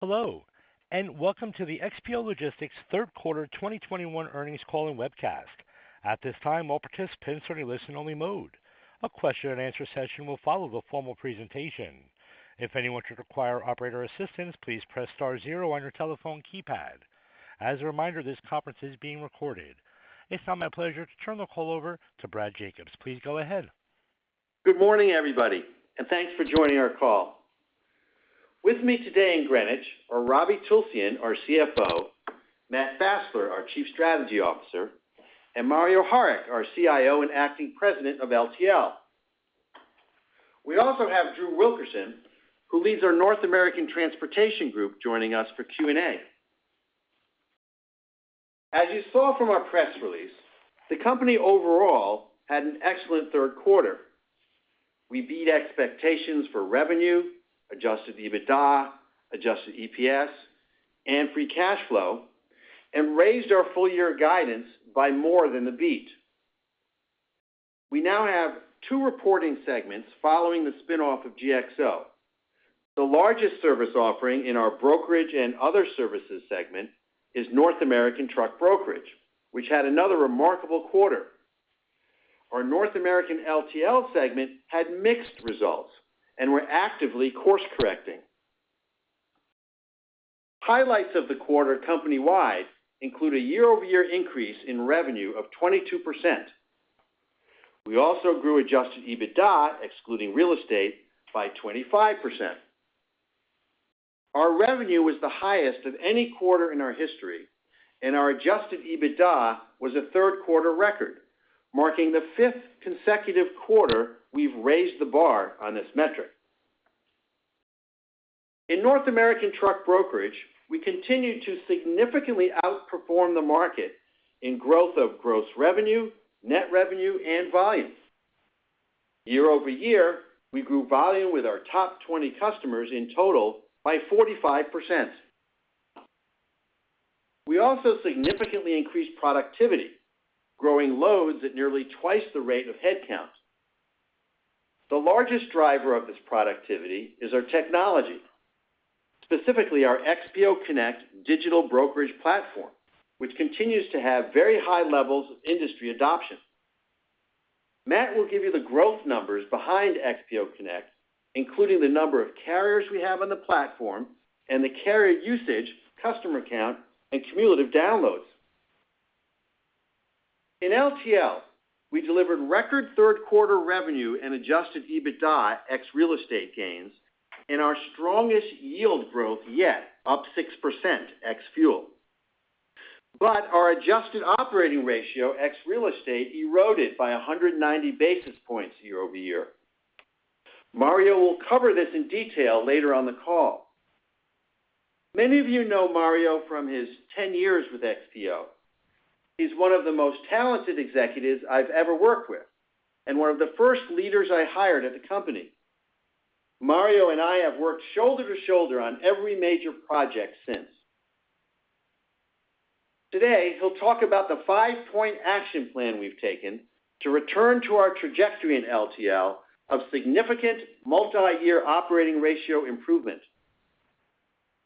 Hello, and welcome to the XPO Logistics third quarter 2021 earnings call and webcast. At this time, all participants are in listen-only mode. A question-and-answer session will follow the formal presentation. If anyone should require operator assistance, please press star zero on your telephone keypad. As a reminder, this conference is being recorded. It's now my pleasure to turn the call over to Brad Jacobs. Please go ahead. Good morning, everybody, and thanks for joining our call. With me today in Greenwich are Ravi Tulsyan, our CFO, Matt Fassler, our Chief Strategy Officer, and Mario Harik, our CIO and acting President of LTL. We also have Drew Wilkerson, who leads our North American Transportation Group, joining us for Q&A. As you saw from our press release, the company overall had an excellent third quarter. We beat expectations for revenue, adjusted EBITDA, adjusted EPS, and free cash flow, and raised our full-year guidance by more than the beat. We now have two reporting segments following the spin-off of GXO. The largest service offering in our brokerage and other services segment is North American truck brokerage, which had another remarkable quarter. Our North American LTL segment had mixed results and we're actively course correcting. Highlights of the quarter company-wide include a year-over-year increase in revenue of 22%. We also grew adjusted EBITDA, excluding real estate, by 25%. Our revenue was the highest of any quarter in our history, and our adjusted EBITDA was a third quarter record, marking the fifth consecutive quarter we've raised the bar on this metric. In North American truck brokerage, we continued to significantly outperform the market in growth of gross revenue, net revenue, and volume. Year-over-year, we grew volume with our top 20 customers in total by 45%. We also significantly increased productivity, growing loads at nearly twice the rate of headcount. The largest driver of this productivity is our technology, specifically our XPO Connect digital brokerage platform, which continues to have very high levels of industry adoption. Matt will give you the growth numbers behind XPO Connect, including the number of carriers we have on the platform and the carrier usage, customer count, and cumulative downloads. In LTL, we delivered record third quarter revenue and adjusted EBITDA ex real estate gains and our strongest yield growth yet, up 6% ex fuel. Our adjusted operating ratio ex real estate eroded by 190 basis points year-over-year. Mario will cover this in detail later on the call. Many of you know Mario from his 10 years with XPO. He's one of the most talented executives I've ever worked with and one of the first leaders I hired at the company. Mario and I have worked shoulder to shoulder on every major project since. Today, he'll talk about the 5-point action plan we've taken to return to our trajectory in LTL of significant multi-year operating ratio improvement.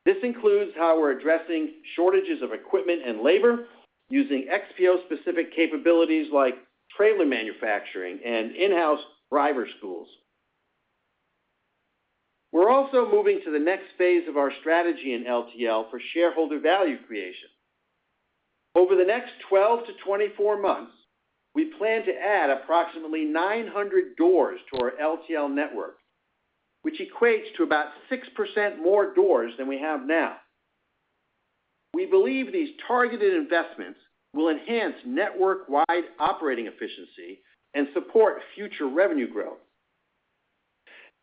This includes how we're addressing shortages of equipment and labor using XPO-specific capabilities like trailer manufacturing and in-house driver schools. We're also moving to the next phase of our strategy in LTL for shareholder value creation. Over the next 12-24 months, we plan to add approximately 900 doors to our LTL network, which equates to about 6% more doors than we have now. We believe these targeted investments will enhance network-wide operating efficiency and support future revenue growth.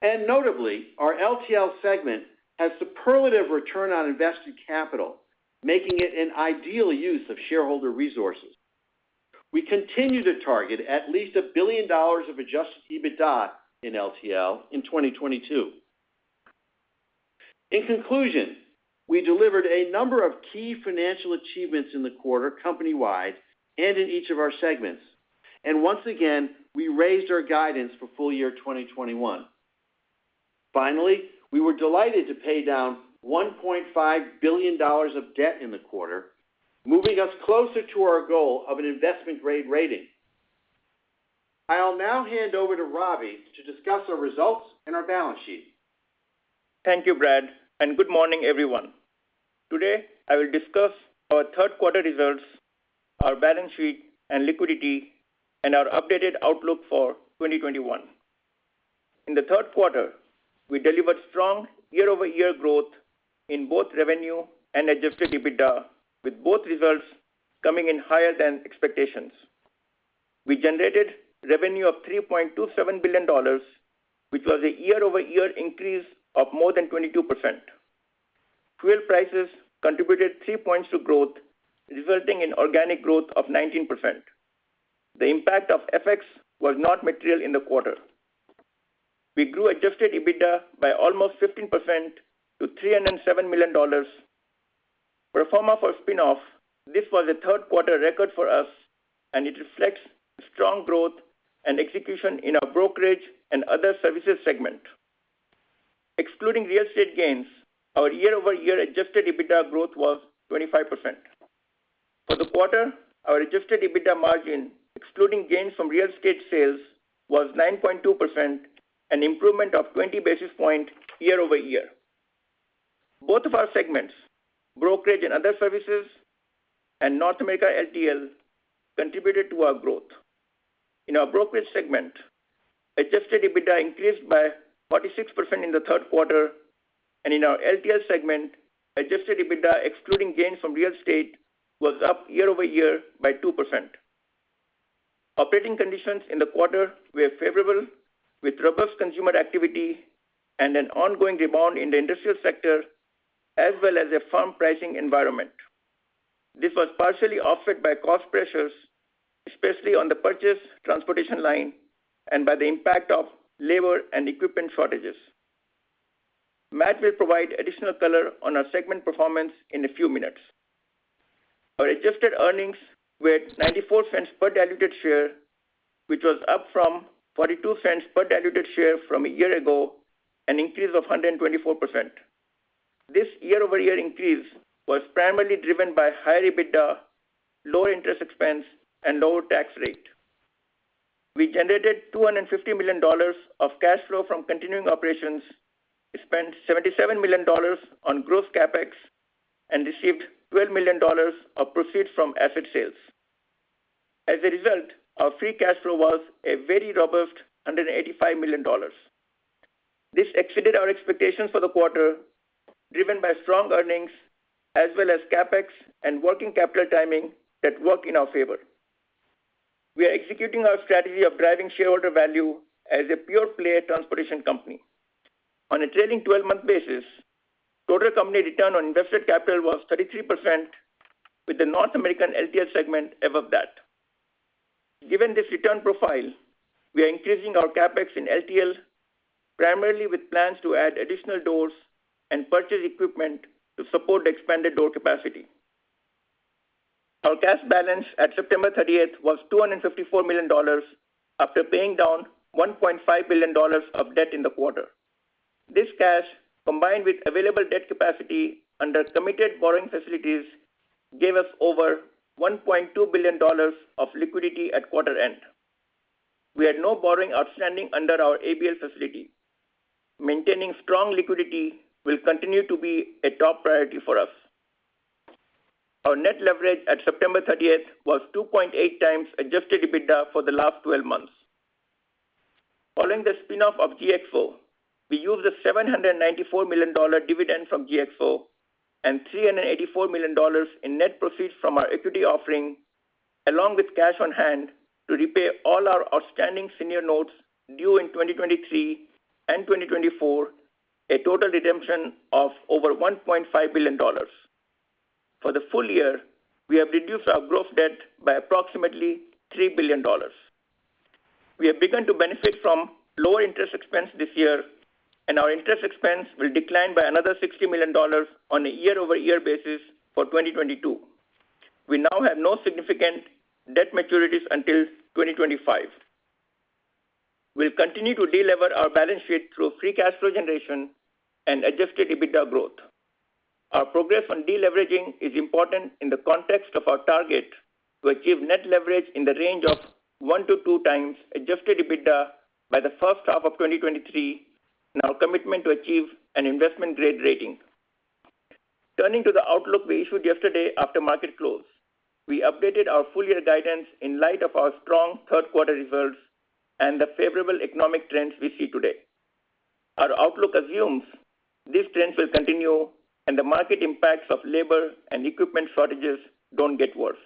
Notably, our LTL segment has superlative return on invested capital, making it an ideal use of shareholder resources. We continue to target at least $1 billion of adjusted EBITDA in LTL in 2022. In conclusion, we delivered a number of key financial achievements in the quarter company-wide and in each of our segments. Once again, we raised our guidance for full year 2021. Finally, we were delighted to pay down $1.5 billion of debt in the quarter, moving us closer to our goal of an investment-grade rating. I'll now hand over to Ravi to discuss our results and our balance sheet. Thank you, Brad, and good morning, everyone. Today, I will discuss our third quarter results, our balance sheet and liquidity, and our updated outlook for 2021. In the third quarter, we delivered strong year-over-year growth in both revenue and adjusted EBITDA, with both results coming in higher than expectations. We generated revenue of $3.27 billion, which was a year-over-year increase of more than 22%. Fuel prices contributed 3 points to growth, resulting in organic growth of 19%. The impact of FX was not material in the quarter. We grew adjusted EBITDA by almost 15% to $307 million. Pro forma for spin-off, this was a third quarter record for us, and it reflects strong growth and execution in our Brokerage and Other Services segment. Excluding real estate gains, our year-over-year adjusted EBITDA growth was 25%. For the quarter, our adjusted EBITDA margin, excluding gains from real estate sales, was 9.2%, an improvement of 20 basis points year-over-year. Both of our segments, Brokerage and Other Services and North American LTL, contributed to our growth. In our brokerage segment, adjusted EBITDA increased by 46% in the third quarter, and in our LTL segment, adjusted EBITDA, excluding gains from real estate, was up year-over-year by 2%. Operating conditions in the quarter were favorable, with robust consumer activity and an ongoing demand in the industrial sector, as well as a firm pricing environment. This was partially offset by cost pressures, especially on the purchase transportation line and by the impact of labor and equipment shortages. Matt will provide additional color on our segment performance in a few minutes. Our adjusted earnings were $0.94 per diluted share, which was up from $0.42 per diluted share from a year ago, an increase of 124%. This year-over-year increase was primarily driven by high EBITDA, low interest expense, and lower tax rate. We generated $250 million of cash flow from continuing operations, we spent $77 million on gross CapEx, and received $12 million of proceeds from asset sales. As a result, our free cash flow was a very robust $185 million. This exceeded our expectations for the quarter, driven by strong earnings as well as CapEx and working capital timing that worked in our favor. We are executing our strategy of driving shareholder value as a pure play transportation company. On a trailing twelve-month basis, total company return on invested capital was 33%, with the North American LTL segment above that. Given this return profile, we are increasing our CapEx in LTL, primarily with plans to add additional doors and purchase equipment to support expanded door capacity. Our cash balance at September 30 was $254 million, after paying down $1.5 billion of debt in the quarter. This cash, combined with available debt capacity under committed borrowing facilities, gave us over $1.2 billion of liquidity at quarter end. We had no borrowing outstanding under our ABL facility. Maintaining strong liquidity will continue to be a top priority for us. Our net leverage at September 30 was 2.8 times adjusted EBITDA for the last twelve months. Following the spin-off of GXO, we used the $794 million dividend from GXO and $384 million in net proceeds from our equity offering, along with cash on hand, to repay all our outstanding senior notes due in 2023 and 2024, a total redemption of over $1.5 billion. For the full year, we have reduced our gross debt by approximately $3 billion. We have begun to benefit from lower interest expense this year, and our interest expense will decline by another $60 million on a year-over-year basis for 2022. We now have no significant debt maturities until 2025. We'll continue to delever our balance sheet through free cash flow generation and adjusted EBITDA growth. Our progress on deleveraging is important in the context of our target to achieve net leverage in the range of 1-2 times adjusted EBITDA by the first half of 2023 and our commitment to achieve an investment-grade rating. Turning to the outlook we issued yesterday after market close. We updated our full-year guidance in light of our strong third quarter results and the favorable economic trends we see today. Our outlook assumes these trends will continue and the market impacts of labor and equipment shortages don't get worse.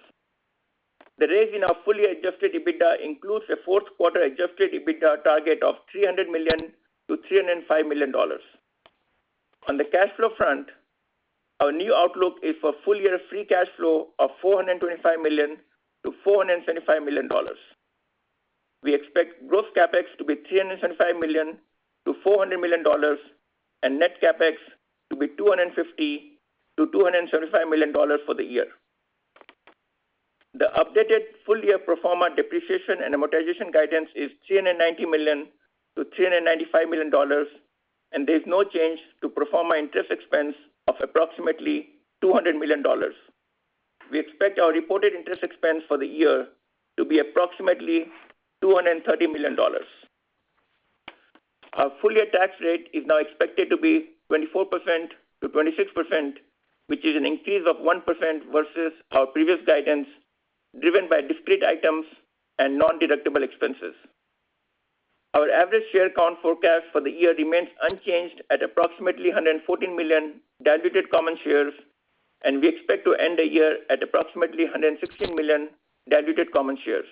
The raise in our full-year adjusted EBITDA includes a fourth quarter adjusted EBITDA target of $300 million-$305 million. On the cash flow front, our new outlook is for full-year free cash flow of $425 million-$475 million. We expect gross CapEx to be $375 million-$400 million, and net CapEx to be $250 million-$275 million for the year. The updated full-year pro forma depreciation and amortization guidance is $390 million-$395 million, and there's no change to pro forma interest expense of approximately $200 million. We expect our reported interest expense for the year to be approximately $230 million. Our full-year tax rate is now expected to be 24%-26%, which is an increase of 1% versus our previous guidance, driven by discrete items and nondeductible expenses. Our average share count forecast for the year remains unchanged at approximately 114 million diluted common shares, and we expect to end the year at approximately 116 million diluted common shares.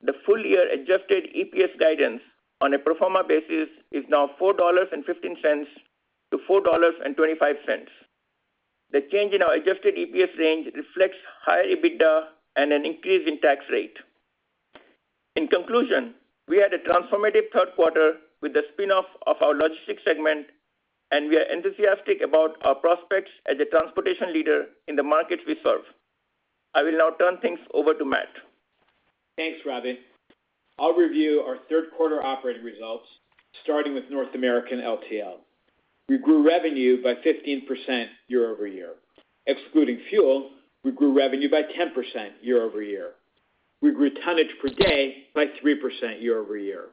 The full year adjusted EPS guidance on a pro forma basis is now $4.15-$4.25. The change in our adjusted EPS range reflects higher EBITDA and an increase in tax rate. In conclusion, we had a transformative third quarter with the spin-off of our logistics segment, and we are enthusiastic about our prospects as a transportation leader in the markets we serve. I will now turn things over to Matt. Thanks, Ravi. I'll review our third quarter operating results, starting with North American LTL. We grew revenue by 15% year-over-year. Excluding fuel, we grew revenue by 10% year-over-year. We grew tonnage per day by 3% year-over-year.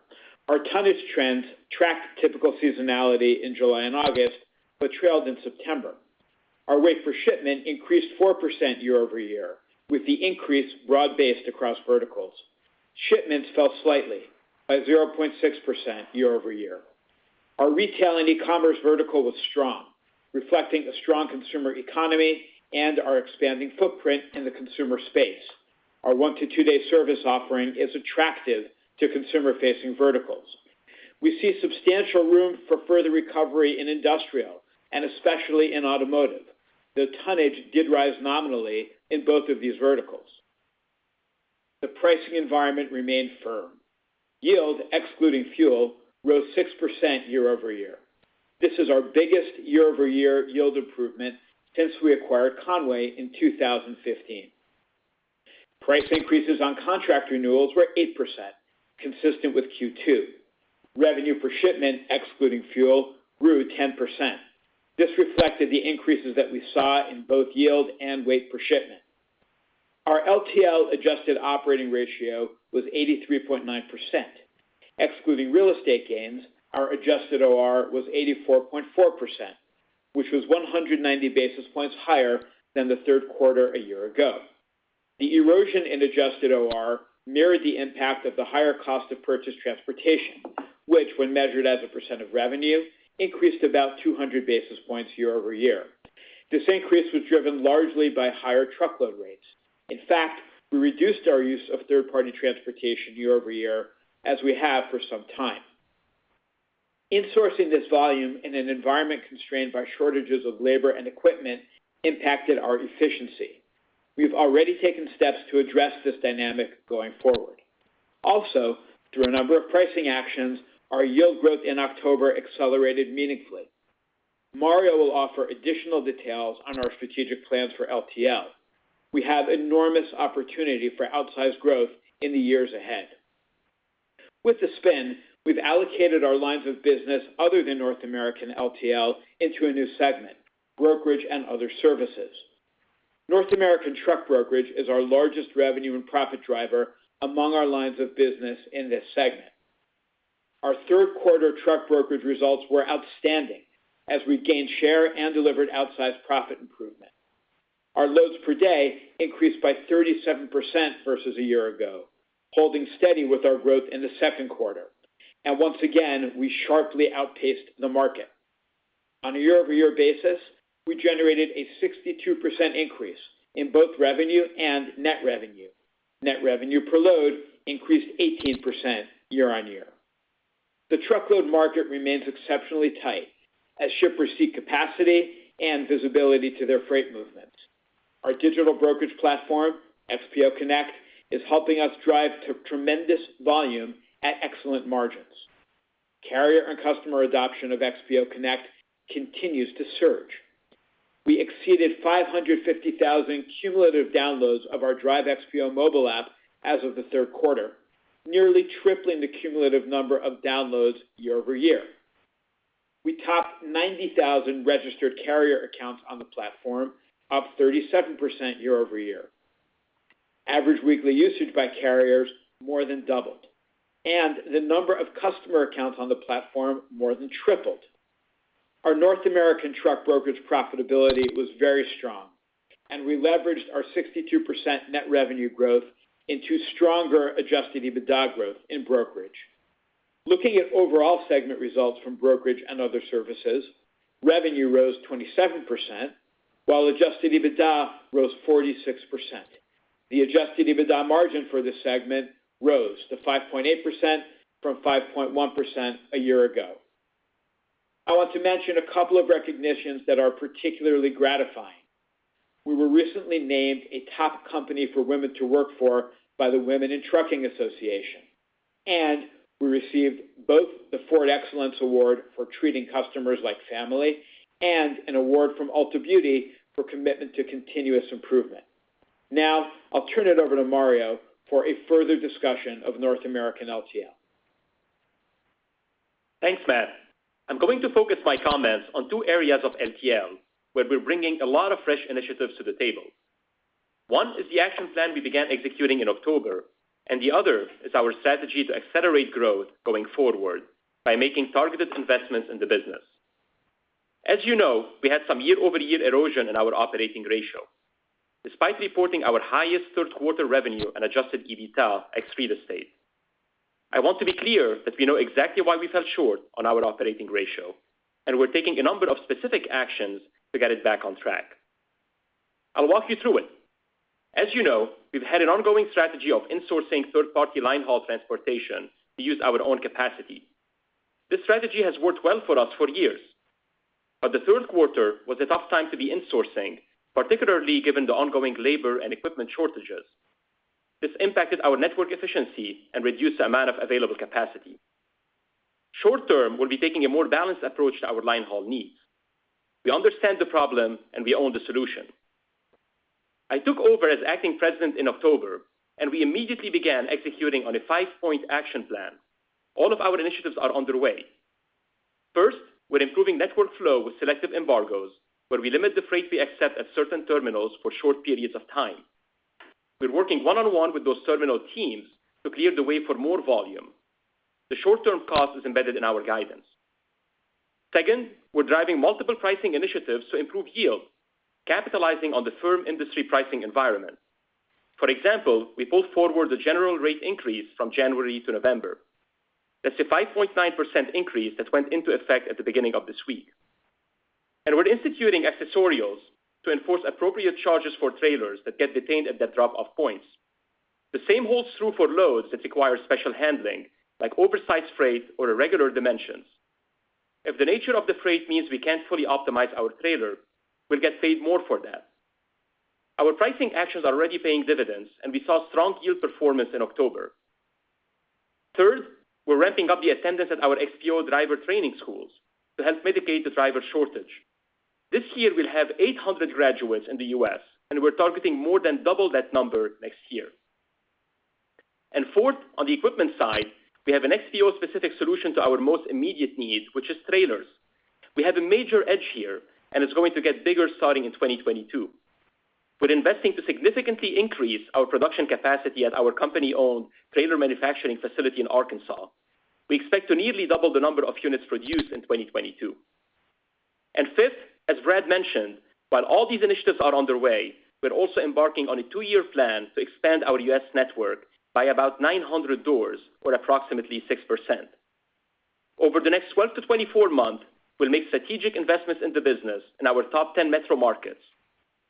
Our tonnage trends tracked typical seasonality in July and August, but trailed in September. Our rate for shipment increased 4% year-over-year, with the increase broad-based across verticals. Shipments fell slightly, by 0.6% year-over-year. Our retail and e-commerce vertical was strong, reflecting a strong consumer economy and our expanding footprint in the consumer space. Our one-to-two-day service offering is attractive to consumer-facing verticals. We see substantial room for further recovery in industrial, and especially in automotive. The tonnage did rise nominally in both of these verticals. The pricing environment remained firm. Yield, excluding fuel, rose 6% year over year. This is our biggest year-over-year yield improvement since we acquired Con-way in 2015. Price increases on contract renewals were 8%, consistent with Q2. Revenue per shipment, excluding fuel, grew 10%. This reflected the increases that we saw in both yield and weight per shipment. Our LTL adjusted operating ratio was 83.9%. Excluding real estate gains, our adjusted OR was 84.4%, which was 190 basis points higher than the third quarter a year ago. The erosion in adjusted OR mirrored the impact of the higher cost of purchased transportation, which, when measured as a percent of revenue, increased about 200 basis points year over year. This increase was driven largely by higher truckload rates. In fact, we reduced our use of third-party transportation year-over-year, as we have for some time. Insourcing this volume in an environment constrained by shortages of labor and equipment impacted our efficiency. We've already taken steps to address this dynamic going forward. Also, through a number of pricing actions, our yield growth in October accelerated meaningfully. Mario will offer additional details on our strategic plans for LTL. We have enormous opportunity for outsized growth in the years ahead. With the spin, we've allocated our lines of business other than North American LTL into a new segment, Brokerage and Other Services. North American truck brokerage is our largest revenue and profit driver among our lines of business in this segment. Our third quarter truck brokerage results were outstanding as we gained share and delivered outsized profit improvement. Our loads per day increased by 37% versus a year ago, holding steady with our growth in the second quarter. Once again, we sharply outpaced the market. On a year-over-year basis, we generated a 62% increase in both revenue and net revenue. Net revenue per load increased 18% year-on-year. The truckload market remains exceptionally tight as shippers seek capacity and visibility to their freight movements. Our digital brokerage platform, XPO Connect, is helping us drive to tremendous volume at excellent margins. Carrier and customer adoption of XPO Connect continues to surge. We exceeded 550,000 cumulative downloads of our Drive XPO mobile app as of the third quarter, nearly tripling the cumulative number of downloads year-over-year. We topped 90,000 registered carrier accounts on the platform, up 37% year-over-year. Average weekly usage by carriers more than doubled, and the number of customer accounts on the platform more than tripled. Our North American truck brokerage profitability was very strong, and we leveraged our 62% net revenue growth into stronger adjusted EBITDA growth in brokerage. Looking at overall segment results from Brokerage and Other Services, revenue rose 27%, while adjusted EBITDA rose 46%. The adjusted EBITDA margin for this segment rose to 5.8% from 5.1% a year ago. I want to mention a couple of recognitions that are particularly gratifying. We were recently named a top company for women to work for by the Women In Trucking Association, and we received both the Ford Excellence Award for treating customers like family and an award from Ulta Beauty for commitment to continuous improvement. Now, I'll turn it over to Mario for a further discussion of North American LTL. Thanks, Matt. I'm going to focus my comments on two areas of LTL, where we're bringing a lot of fresh initiatives to the table. One is the action plan we began executing in October, and the other is our strategy to accelerate growth going forward by making targeted investments in the business. As you know, we had some year-over-year erosion in our operating ratio, despite reporting our highest third quarter revenue and adjusted EBITDA ex real estate. I want to be clear that we know exactly why we fell short on our operating ratio, and we're taking a number of specific actions to get it back on track. I'll walk you through it. As you know, we've had an ongoing strategy of insourcing third-party line haul transportation to use our own capacity. This strategy has worked well for us for years. The third quarter was a tough time to be insourcing, particularly given the ongoing labor and equipment shortages. This impacted our network efficiency and reduced the amount of available capacity. Short term, we'll be taking a more balanced approach to our line haul needs. We understand the problem, and we own the solution. I took over as acting president in October, and we immediately began executing on a five-point action plan. All of our initiatives are underway. First, we're improving network flow with selective embargoes, where we limit the freight we accept at certain terminals for short periods of time. We're working one-on-one with those terminal teams to clear the way for more volume. The short-term cost is embedded in our guidance. Second, we're driving multiple pricing initiatives to improve yield, capitalizing on the firm industry pricing environment. For example, we pulled forward the general rate increase from January to November. That's a 5.9% increase that went into effect at the beginning of this week. We're instituting accessorials to enforce appropriate charges for trailers that get detained at the drop-off points. The same holds true for loads that require special handling, like oversized freight or irregular dimensions. If the nature of the freight means we can't fully optimize our trailer, we'll get paid more for that. Our pricing actions are already paying dividends, and we saw strong yield performance in October. Third, we're ramping up the attendance at our XPO driver training schools to help mitigate the driver shortage. This year we'll have 800 graduates in the U.S., and we're targeting more than double that number next year. Fourth, on the equipment side, we have an XPO specific solution to our most immediate need, which is trailers. We have a major edge here, and it's going to get bigger starting in 2022. We're investing to significantly increase our production capacity at our company-owned trailer manufacturing facility in Arkansas. We expect to nearly double the number of units produced in 2022. Fifth, as Brad mentioned, while all these initiatives are underway, we're also embarking on a 2-year plan to expand our U.S. network by about 900 doors or approximately 6%. Over the next 12 to 24 months, we'll make strategic investments in the business in our top 10 metro markets.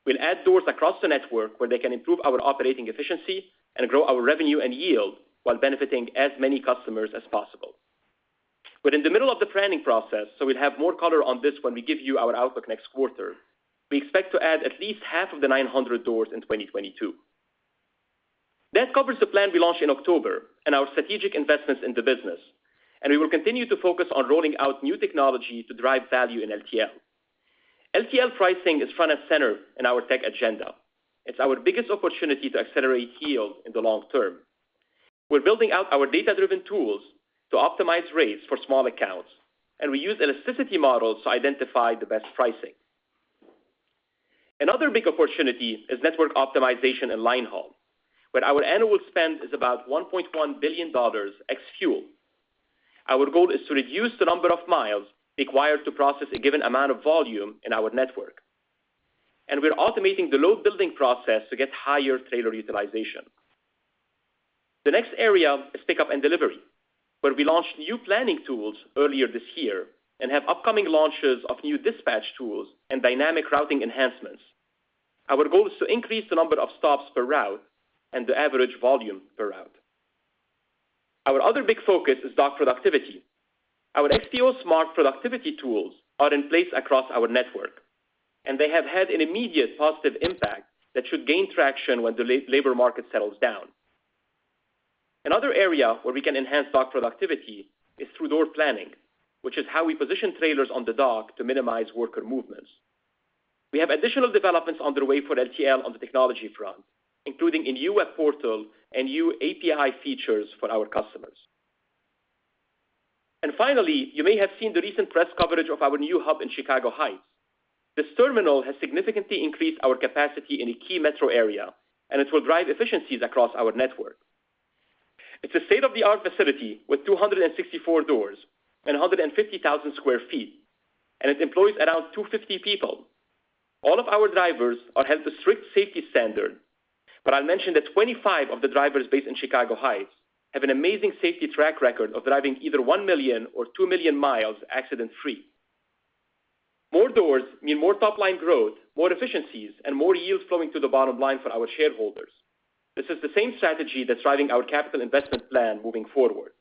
We'll add doors across the network where they can improve our operating efficiency and grow our revenue and yield while benefiting as many customers as possible. We're in the middle of the planning process, so we'll have more color on this when we give you our outlook next quarter. We expect to add at least half of the 900 doors in 2022. That covers the plan we launched in October and our strategic investments in the business, and we will continue to focus on rolling out new technology to drive value in LTL. LTL pricing is front and center in our tech agenda. It's our biggest opportunity to accelerate yield in the long term. We're building out our data-driven tools to optimize rates for small accounts, and we use elasticity models to identify the best pricing. Another big opportunity is network optimization and line haul, where our annual spend is about $1.1 billion ex fuel. Our goal is to reduce the number of miles required to process a given amount of volume in our network. We are automating the load building process to get higher trailer utilization. The next area is pickup and delivery, where we launched new planning tools earlier this year and have upcoming launches of new dispatch tools and dynamic routing enhancements. Our goal is to increase the number of stops per route and the average volume per route. Our other big focus is dock productivity. Our XPO Smart productivity tools are in place across our network, and they have had an immediate positive impact that should gain traction when the labor market settles down. Another area where we can enhance dock productivity is through door planning, which is how we position trailers on the dock to minimize worker movements. We have additional developments underway for LTL on the technology front, including a new web portal and new API features for our customers. Finally, you may have seen the recent press coverage of our new hub in Chicago Heights. This terminal has significantly increased our capacity in a key metro area, and it will drive efficiencies across our network. It's a state-of-the-art facility with 264 doors and 150,000 sq ft, and it employs around 250 people. All of our drivers adhere to strict safety standard, but I'll mention that 25 of the drivers based in Chicago Heights have an amazing safety track record of driving either 1 million or 2 million miles accident-free. More doors mean more top-line growth, more efficiencies, and more yields flowing to the bottom line for our shareholders. This is the same strategy that's driving our capital investment plan moving forward.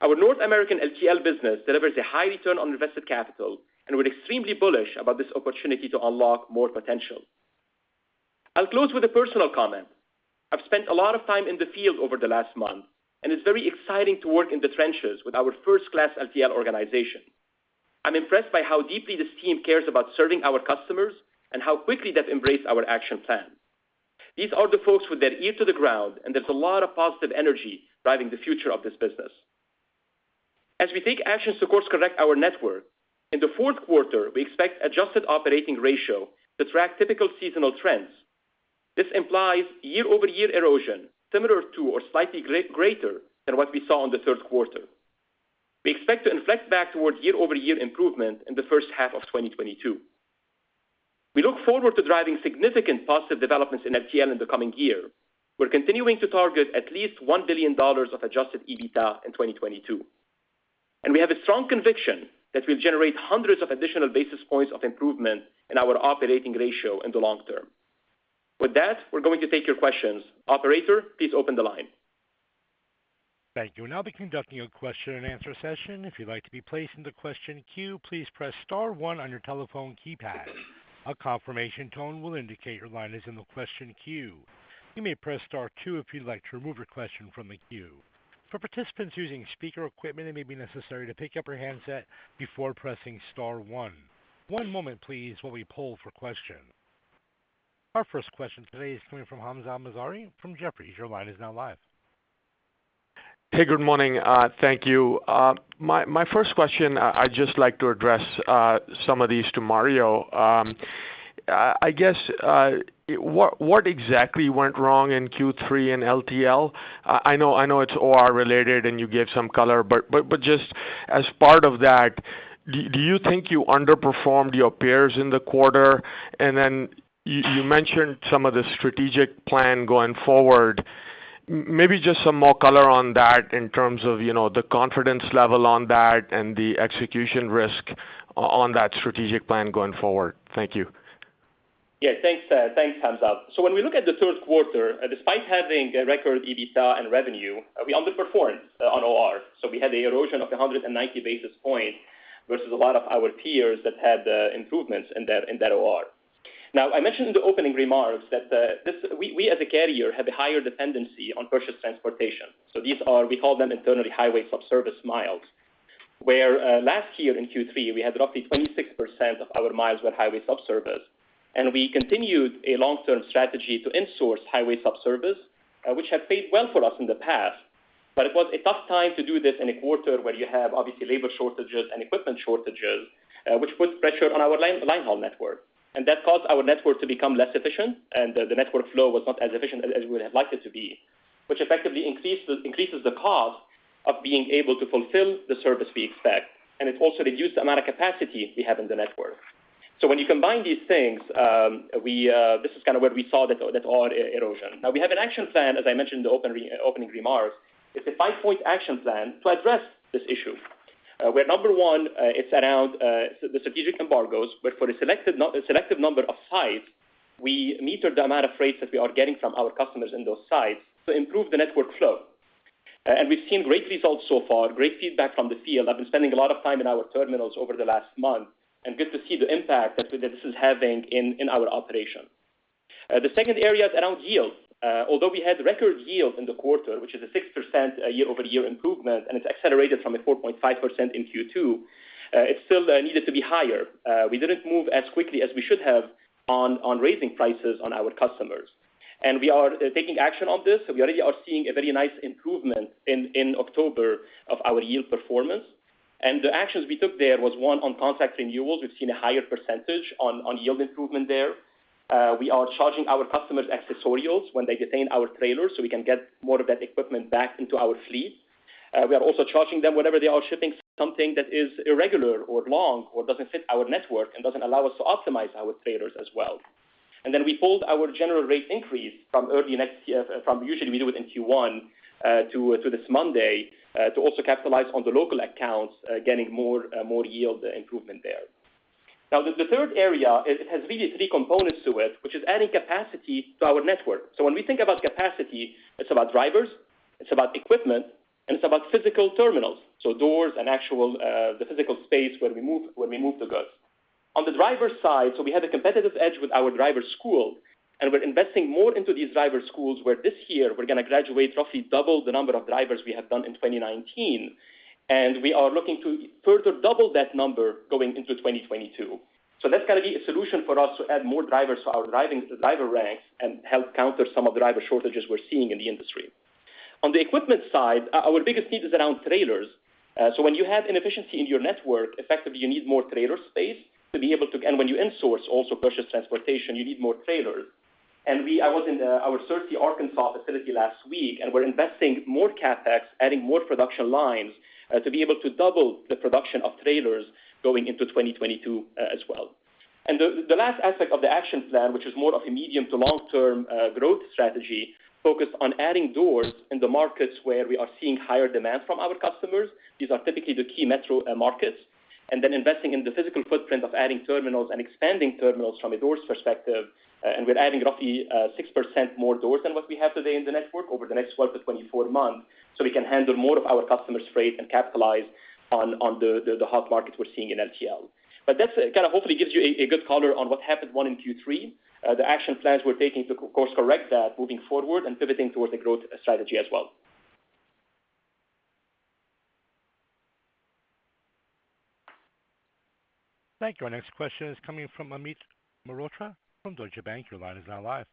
Our North American LTL business delivers a high return on invested capital, and we're extremely bullish about this opportunity to unlock more potential. I'll close with a personal comment. I've spent a lot of time in the field over the last month, and it's very exciting to work in the trenches with our first-class LTL organization. I'm impressed by how deeply this team cares about serving our customers and how quickly they've embraced our action plan. These are the folks with their ear to the ground, and there's a lot of positive energy driving the future of this business. As we take actions to course correct our network, in the fourth quarter, we expect adjusted operating ratio to track typical seasonal trends. This implies year-over-year erosion similar to or slightly greater than what we saw in the third quarter. We expect to inflect back towards year-over-year improvement in the first half of 2022. We look forward to driving significant positive developments in LTL in the coming year. We're continuing to target at least $1 billion of adjusted EBITDA in 2022. We have a strong conviction that we'll generate hundreds of additional basis points of improvement in our operating ratio in the long term. With that, we're going to take your questions. Operator, please open the line. Thank you. We'll now be conducting a question and answer session. If you'd like to be placed in the question queue, please press star one on your telephone keypad. A confirmation tone will indicate your line is in the question queue. You may press star two if you'd like to remove your question from the queue. For participants using speaker equipment, it may be necessary to pick up your handset before pressing star one. One moment please while we poll for questions. Our first question today is coming from Hamzah Mazari from Jefferies. Your line is now live. Hey, good morning. Thank you. My first question, I'd just like to address some of these to Mario. What exactly went wrong in Q3 in LTL? I know it's OR related, and you gave some color, but just as part of that, do you think you underperformed your peers in the quarter? You mentioned some of the strategic plan going forward. Maybe just some more color on that in terms of, you know, the confidence level on that and the execution risk on that strategic plan going forward. Thank you. Yeah, thanks, Hamza. When we look at the third quarter, despite having a record EBITDA and revenue, we underperformed on OR. We had the erosion of 100 basis points versus a lot of our peers that had improvements in their OR. Now, I mentioned in the opening remarks that this—we as a carrier have a higher dependency on purchase transportation. These are, we call them internally highway subservice miles, where last year in Q3, we had roughly 26% of our miles were highway subservice. We continued a long-term strategy to insource highway subservice, which has paid well for us in the past. It was a tough time to do this in a quarter where you have obviously labor shortages and equipment shortages, which put pressure on our line haul network. That caused our network to become less efficient, and the network flow was not as efficient as we would have liked it to be, which effectively increases the cost of being able to fulfill the service we expect. It also reduced the amount of capacity we have in the network. When you combine these things, this is kind of where we saw that OR erosion. Now we have an action plan, as I mentioned in the opening remarks. It's a five-point action plan to address this issue, where number one, it's around the strategic embargoes. For the selected non-selective number of sites, we meter the amount of freight that we are getting from our customers in those sites to improve the network flow. We've seen great results so far, great feedback from the field. I've been spending a lot of time in our terminals over the last month and good to see the impact that this is having in our operation. The second area is around yield. Although we had record yield in the quarter, which is a 6% year-over-year improvement, and it's accelerated from a 4.5% in Q2, it still needed to be higher. We didn't move as quickly as we should have on raising prices on our customers. We are taking action on this. We already are seeing a very nice improvement in October of our yield performance. The actions we took there was one on contract renewals. We've seen a higher percentage on yield improvement there. We are charging our customers accessorials when they detain our trailers, so we can get more of that equipment back into our fleet. We are also charging them whenever they are shipping something that is irregular or long or doesn't fit our network and doesn't allow us to optimize our trailers as well. Then we pulled our general rate increase from early next year, usually we do it in Q1, to this Monday, to also capitalize on the local accounts, getting more yield improvement there. Now, the third area is, it has really three components to it, which is adding capacity to our network. When we think about capacity, it's about drivers, it's about equipment, and it's about physical terminals, so doors and actual, the physical space where we move the goods. On the driver side, we have a competitive edge with our driver school, and we're investing more into these driver schools, where this year we're going to graduate roughly double the number of drivers we have done in 2019. We are looking to further double that number going into 2022. That's got to be a solution for us to add more drivers to our driver ranks and help counter some of the driver shortages we're seeing in the industry. On the equipment side, our biggest need is around trailers. So when you have inefficiency in your network, effectively, you need more trailer space to be able to and when you insource also purchase transportation, you need more trailers. I was in our Searcy, Arkansas facility last week, and we're investing more CapEx, adding more production lines, to be able to double the production of trailers going into 2022, as well. The last aspect of the action plan, which is more of a medium- to long-term growth strategy, focused on adding doors in the markets where we are seeing higher demand from our customers. These are typically the key metro markets. Then investing in the physical footprint of adding terminals and expanding terminals from a doors perspective. We're adding roughly 6% more doors than what we have today in the network over the next 12-24 months, so we can handle more of our customers' freight and capitalize on the hot markets we're seeing in LTL. That's kind of hopefully gives you a good color on what happened in Q3, the action plans we're taking to course correct that moving forward and pivoting towards the growth strategy as well. Thank you. Our next question is coming from Amit Mehrotra from Deutsche Bank. Your line is now live.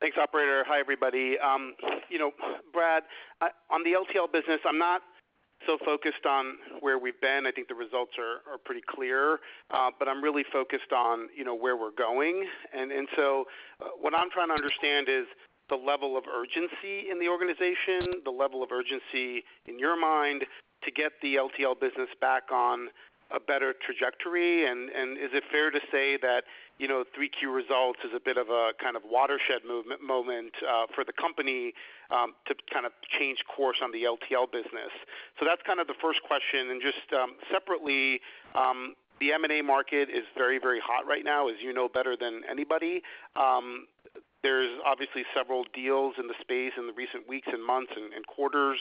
Thanks, operator. Hi, everybody. You know, Brad, on the LTL business, I'm not so focused on where we've been. I think the results are pretty clear. I'm really focused on, you know, where we're going. What I'm trying to understand is the level of urgency in the organization, the level of urgency in your mind to get the LTL business back on a better trajectory. Is it fair to say that, you know, 3Q results is a bit of a kind of watershed moment for the company to kind of change course on the LTL business? That's kind of the first question. Just separately, the M&A market is very, very hot right now, as you know better than anybody. There's obviously several deals in the space in the recent weeks and months and quarters.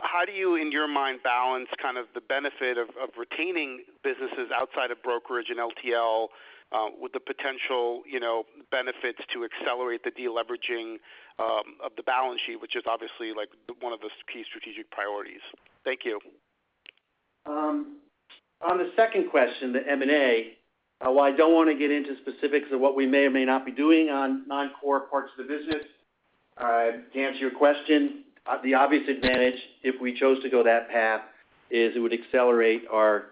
How do you, in your mind, balance kind of the benefit of retaining businesses outside of brokerage and LTL, with the potential, you know, benefits to accelerate the deleveraging, of the balance sheet, which is obviously like one of the key strategic priorities? Thank you. On the second question, the M&A, while I don't want to get into specifics of what we may or may not be doing on non-core parts of the business, to answer your question, the obvious advantage, if we chose to go that path, is it would accelerate our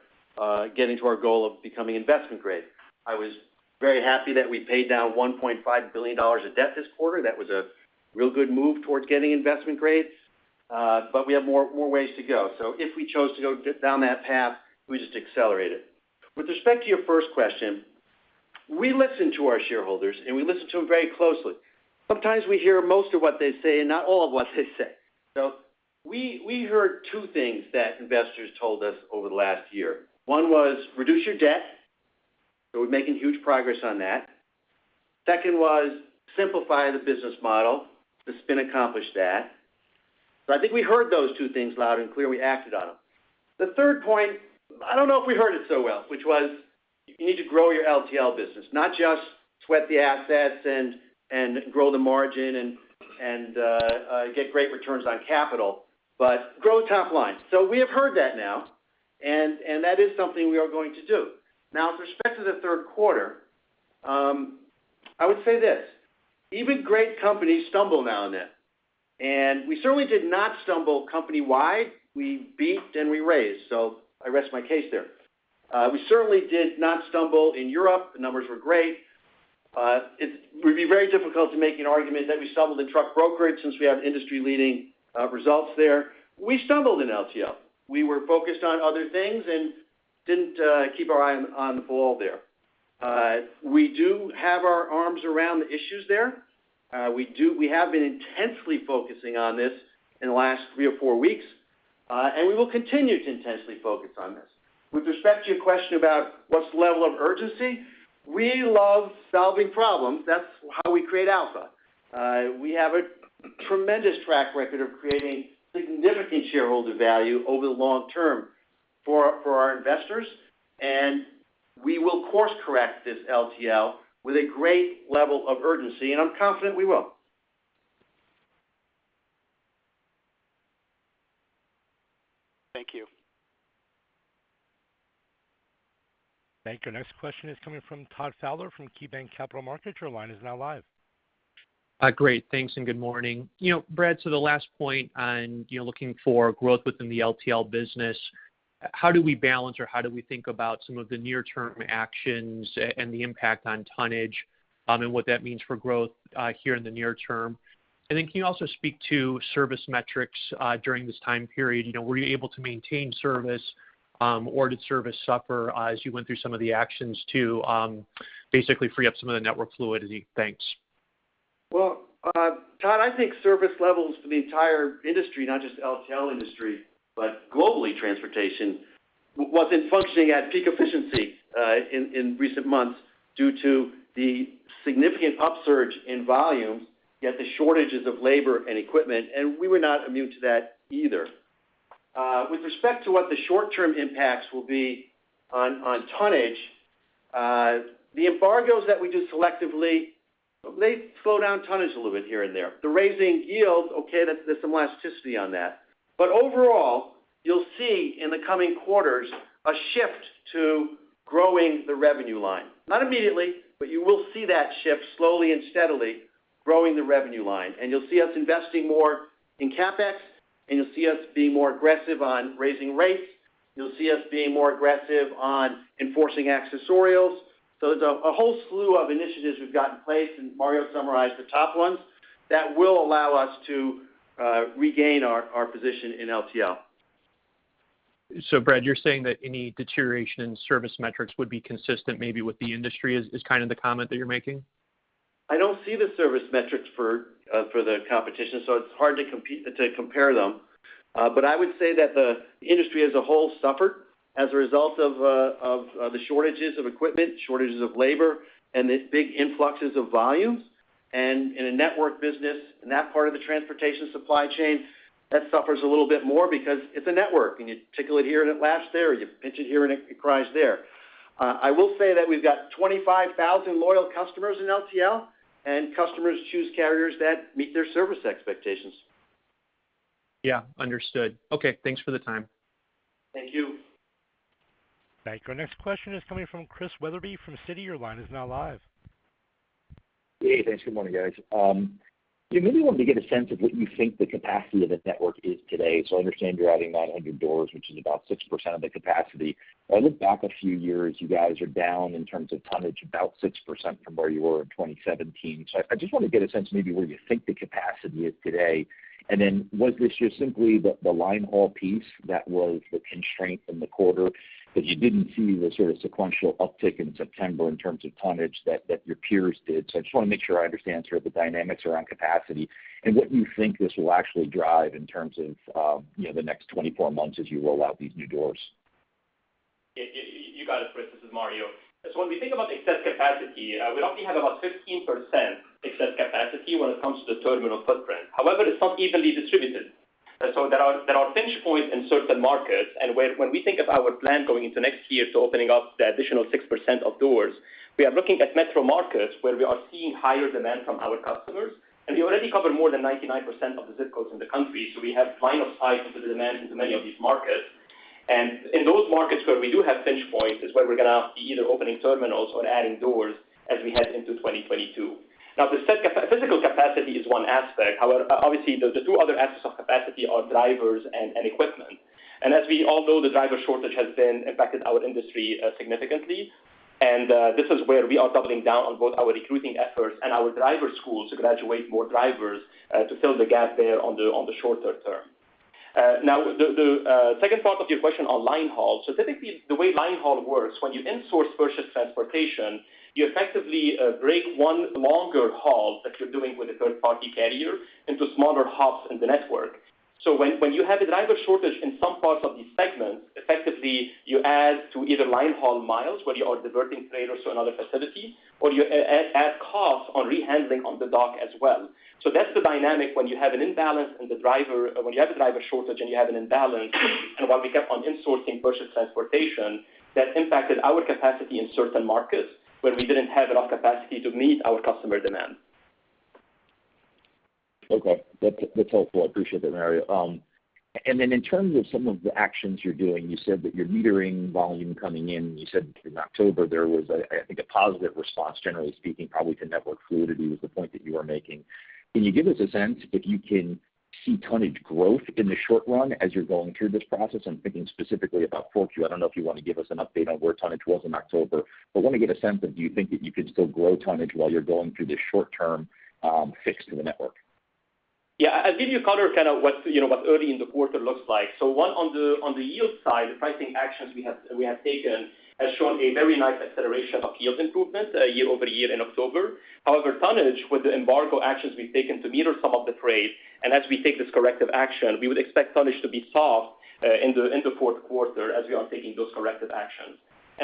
getting to our goal of becoming investment grade. I was very happy that we paid down $1.5 billion of debt this quarter. That was a real good move towards getting investment grade. But we have more ways to go. If we chose to go down that path, we just accelerate it. With respect to your first question, we listen to our shareholders, and we listen to them very closely. Sometimes we hear most of what they say and not all of what they say. We heard two things that investors told us over the last year. One was reduce your debt. We're making huge progress on that. Second was simplify the business model. The spin accomplished that. I think we heard those two things loud and clear, we acted on them. The third point, I don't know if we heard it so well, which was you need to grow your LTL business, not just sweat the assets and grow the margin and get great returns on capital, but grow top line. We have heard that now, and that is something we are going to do. Now with respect to the third quarter, I would say this, even great companies stumble now and then. We certainly did not stumble company-wide. We beat and we raised. I rest my case there. We certainly did not stumble in Europe. The numbers were great. It would be very difficult to make an argument that we stumbled in truck brokerage since we have industry-leading results there. We stumbled in LTL. We were focused on other things and didn't keep our eye on the ball there. We do have our arms around the issues there. We have been intensely focusing on this in the last three or four weeks, and we will continue to intensely focus on this. With respect to your question about what's the level of urgency, we love solving problems. That's how we create alpha. We have a tremendous track record of creating significant shareholder value over the long term for our investors, and we will course correct this LTL with a great level of urgency, and I'm confident we will. Thank you. Our next question is coming from Todd Fowler from KeyBanc Capital Markets. Your line is now live. Great. Thanks, and good morning. You know, Brad, the last point on, you know, looking for growth within the LTL business, how do we balance or how do we think about some of the near-term actions and the impact on tonnage, and what that means for growth, here in the near term? Then can you also speak to service metrics, during this time period? You know, were you able to maintain service, or did service suffer as you went through some of the actions to, basically free up some of the network fluidity? Thanks. Well, Todd, I think service levels for the entire industry, not just LTL industry, but globally transportation, wasn't functioning at peak efficiency, in recent months due to the significant upsurge in volume, yet the shortages of labor and equipment, and we were not immune to that either. With respect to what the short-term impacts will be on tonnage, the embargoes that we do selectively, they slow down tonnage a little bit here and there. The raising yields, okay, there's some elasticity on that. Overall, you'll see in the coming quarters a shift to growing the revenue line. Not immediately, but you will see that shift slowly and steadily growing the revenue line. You'll see us investing more in CapEx, and you'll see us being more aggressive on raising rates. You'll see us being more aggressive on enforcing accessorials. There's a whole slew of initiatives we've got in place, and Mario summarized the top ones that will allow us to regain our position in LTL. Brad, you're saying that any deterioration in service metrics would be consistent maybe with the industry is kind of the comment that you're making? I don't see the service metrics for the competition, so it's hard to compare them. I would say that the industry as a whole suffered as a result of the shortages of equipment, shortages of labor, and the big influxes of volume. In a network business, in that part of the transportation supply chain, that suffers a little bit more because it's a network, and you tickle it here and it laughs there, you pinch it here and it cries there. I will say that we've got 25,000 loyal customers in LTL, and customers choose carriers that meet their service expectations. Yeah. Understood. Okay. Thanks for the time. Thank you. Thank you. Our next question is coming from Chris Wetherbee from Citi. Your line is now live. Hey, thanks. Good morning, guys. Yeah, maybe wanted to get a sense of what you think the capacity of the network is today. I understand you're adding 900 doors, which is about 6% of the capacity. When I look back a few years, you guys are down in terms of tonnage about 6% from where you were in 2017. I just want to get a sense maybe where you think the capacity is today. Was this just simply the line haul piece that was the constraint in the quarter that you didn't see the sort of sequential uptick in September in terms of tonnage that your peers did? I just want to make sure I understand sort of the dynamics around capacity and what you think this will actually drive in terms of, you know, the next 24 months as you roll out these new doors. Yeah. You got it, Chris. This is Mario. When we think about excess capacity, we only have about 15% excess capacity when it comes to the terminal footprint. However, it's not evenly distributed. There are pinch points in certain markets, and when we think of our plan going into next year to opening up the additional 6% of doors, we are looking at metro markets where we are seeing higher demand from our customers. We already cover more than 99% of the zip codes in the country, so we have line of sight into the demand into many of these markets. In those markets where we do have pinch points is where we're gonna be either opening terminals or adding doors as we head into 2022. Now, physical capacity is one aspect. However, obviously, the two other aspects of capacity are drivers and equipment. As we all know, the driver shortage has impacted our industry significantly. This is where we are doubling down on both our recruiting efforts and our driver schools to graduate more drivers to fill the gap there in the short term. Now the second part of your question on line haul. Typically the way line haul works, when you insource or purchase transportation, you effectively break one longer haul that you're doing with a third-party carrier into smaller hubs in the network. When you have a driver shortage in some parts of these segments, effectively, you add to either line haul miles, where you are diverting trailers to another facility, or you add costs on rehandling on the dock as well. That's the dynamic when you have a driver shortage and you have an imbalance, and while we kept on insourcing purchase transportation, that impacted our capacity in certain markets when we didn't have enough capacity to meet our customer demand. Okay. That's helpful. I appreciate that, Mario. In terms of some of the actions you're doing, you said that you're metering volume coming in. You said in October there was a, I think a positive response, generally speaking, probably to network fluidity was the point that you were making. Can you give us a sense if you can see tonnage growth in the short run as you're going through this process? I'm thinking specifically about 4Q. I don't know if you want to give us an update on where tonnage was in October, but I want to get a sense of, do you think that you can still grow tonnage while you're going through this short term, fix to the network? Yeah. I'll give you color kind of what, you know, what early in the quarter looks like. One, on the yield side, the pricing actions we have taken has shown a very nice acceleration of yield improvement year-over-year in October. However, tonnage with the embargo actions we've taken to meter some of the trades, and as we take this corrective action, we would expect tonnage to be soft in the fourth quarter as we are taking those corrective actions.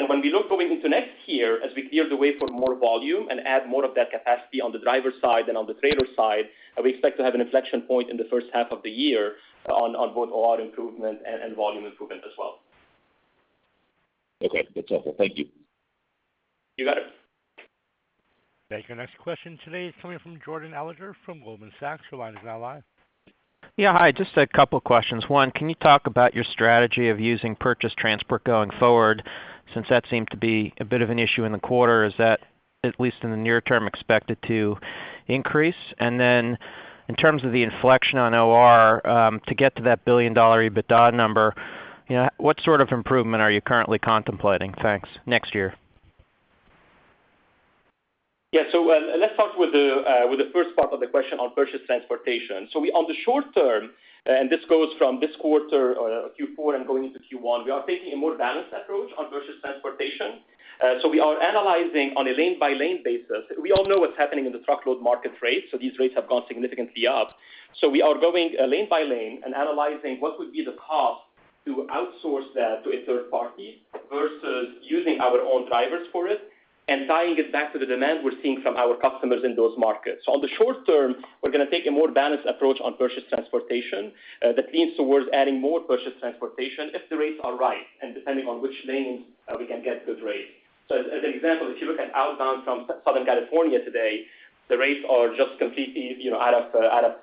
When we look going into next year, as we clear the way for more volume and add more of that capacity on the driver side and on the trailer side, we expect to have an inflection point in the first half of the year on both OR improvement and volume improvement as well. Okay. That's helpful. Thank you. You got it. Thank you. Next question today is coming from Jordan Alliger from Goldman Sachs. Your line is now live. Yeah. Hi, just a couple questions. One, can you talk about your strategy of using purchased transportation going forward, since that seemed to be a bit of an issue in the quarter? Is that, at least in the near term, expected to increase? And then in terms of the inflection on OR to get to that $1 billion EBITDA number, you know, what sort of improvement are you currently contemplating? Thanks. Next year. Let's start with the first part of the question on purchase transportation. On the short term, and this goes from this quarter, Q4 and going into Q1, we are taking a more balanced approach on purchase transportation. We are analyzing on a lane-by-lane basis. We all know what's happening in the truckload market rates, so these rates have gone significantly up. We are going, lane by lane and analyzing what would be the cost to outsource that to a third party versus using our own drivers for it and tying it back to the demand we're seeing from our customers in those markets. On the short term, we're gonna take a more balanced approach on purchase transportation that leans towards adding more purchase transportation if the rates are right and depending on which lanes we can get good rates. As an example, if you look at outbound from Southern California today, the rates are just completely, you know, out of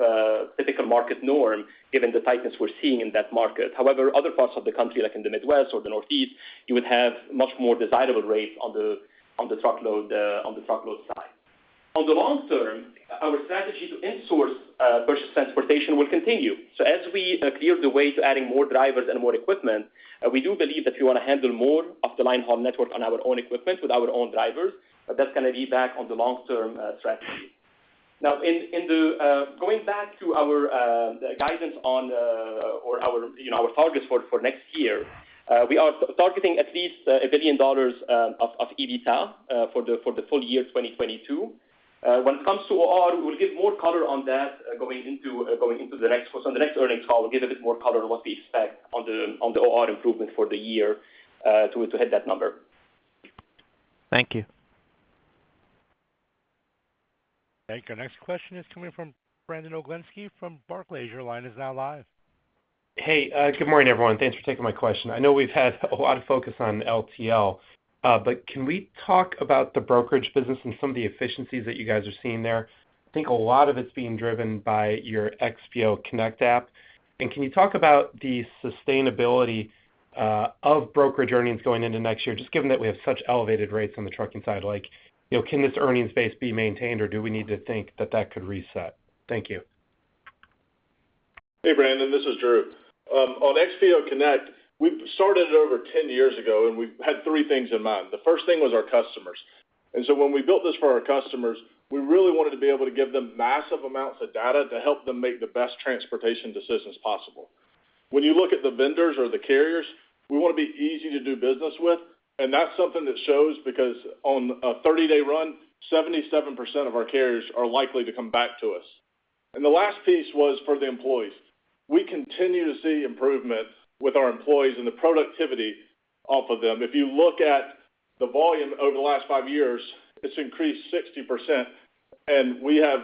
typical market norm, given the tightness we're seeing in that market. However, other parts of the country, like in the Midwest or the Northeast, you would have much more desirable rates on the truckload side. On the long term, our strategy to in-source purchase transportation will continue. As we clear the way to adding more drivers and more equipment, we do believe that we want to handle more of the line haul network on our own equipment with our own drivers. But that's gonna be back on the long-term strategy. Now, going back to our guidance or our targets for next year, you know, we are targeting at least $1 billion of EBITDA for the full year 2022. When it comes to OR, we'll give more color on that going into the next earnings call. We'll give a bit more color on what we expect on the OR improvement for the year to hit that number. Thank you. Thank you. Next question is coming from Brandon Oglenski from Barclays. Your line is now live. Hey, good morning, everyone. Thanks for taking my question. I know we've had a lot of focus on LTL, but can we talk about the brokerage business and some of the efficiencies that you guys are seeing there? I think a lot of it's being driven by your XPO Connect app. Can you talk about the sustainability of brokerage earnings going into next year, just given that we have such elevated rates on the trucking side? Like, you know, can this earnings base be maintained, or do we need to think that could reset? Thank you. Hey, Brandon, this is Drew. On XPO Connect, we started it over 10 years ago, and we've had three things in mind. The first thing was our customers. When we built this for our customers, we really wanted to be able to give them massive amounts of data to help them make the best transportation decisions possible. When you look at the vendors or the carriers, we want to be easy to do business with, and that's something that shows because on a 30-day run, 77% of our carriers are likely to come back to us. The last piece was for the employees. We continue to see improvements with our employees and the productivity off of them. If you look at the volume over the last 5 years, it's increased 60%, and we have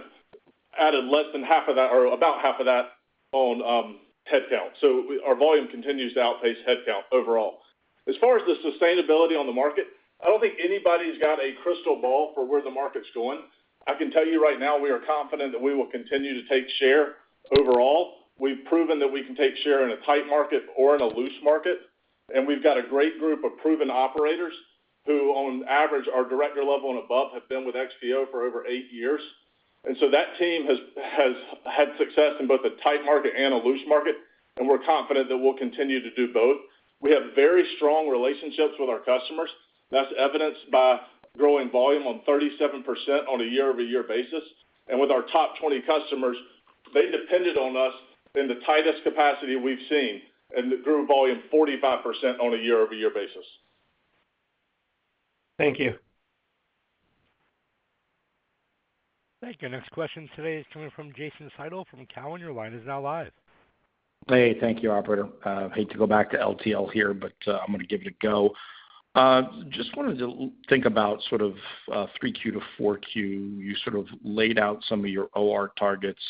added less than half of that or about half of that on headcount. Our volume continues to outpace headcount overall. As far as the sustainability on the market, I don't think anybody's got a crystal ball for where the market's going. I can tell you right now, we are confident that we will continue to take share overall. We've proven that we can take share in a tight market or in a loose market, and we've got a great group of proven operators who on average are director level and above, have been with XPO for over 8 years. That team has had success in both a tight market and a loose market, and we're confident that we'll continue to do both. We have very strong relationships with our customers. That's evidenced by growing volume on 37% on a year-over-year basis. With our top 20 customers, they depended on us in the tightest capacity we've seen, and it grew volume 45% on a year-over-year basis. Thank you. Thank you. Next question today is coming from Jason Seidl from Cowen. Your line is now live. Hey, thank you, operator. Hate to go back to LTL here, but I'm going to give it a go. Just wanted to think about sort of 3Q to 4Q. You sort of laid out some of your OR targets.